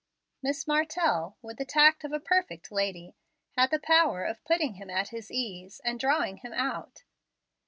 Miss Martell, with the tact of a perfect lady, had the power of putting him at his ease and drawing him out.